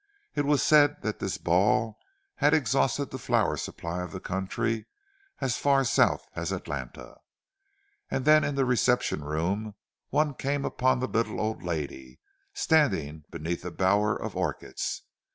(It was said that this ball had exhausted the flower supply of the country as far south as Atlanta.) And then in the reception room one came upon the little old lady, standing' beneath a bower of orchids.